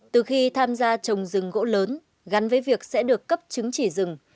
từ khi tham gia trồng rừng gỗ lớn gắn với việc sẽ được cấp chứng chỉ rừng